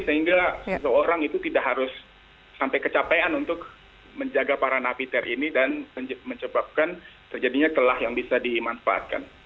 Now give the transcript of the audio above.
sehingga seseorang itu tidak harus sampai kecapean untuk menjaga para napiter ini dan menyebabkan terjadinya telah yang bisa dimanfaatkan